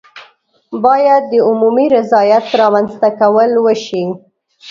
باید د عمومي رضایت رامنځته کول وشي.